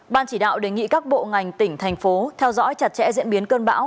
ban chỉ đạo đề nghị các bộ ngành tỉnh thành phố theo dõi chặt chẽ diễn biến cơn bão